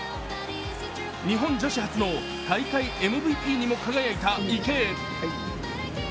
日本女子初の大会ＭＶＰにも輝いた池江。